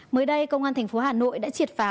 mới đây công an tp hà nội đã triệt phá